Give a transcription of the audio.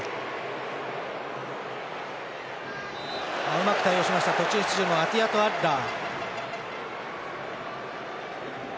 うまく対応した途中出場のアティアトアッラー。